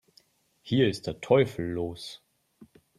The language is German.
Hier ist der Teufel los